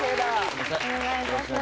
よろしくお願いします